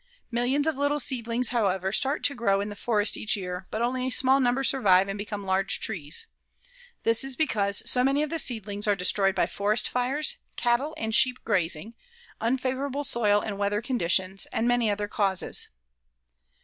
Millions of little seedlings, however, start to grow in the forest each year, but only a small number survive and become large trees. This is because so many of the seedlings are destroyed by forest fires, cattle and sheep grazing, unfavorable soil and weather conditions, and many other causes.